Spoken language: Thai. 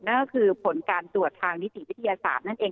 นั่นก็คือผลการตรวจทางนิติวิทยาศาสตร์นั่นเอง